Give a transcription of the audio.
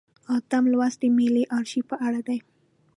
اتم لوست د ملي ارشیف په اړه دی.